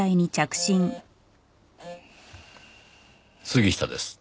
杉下です。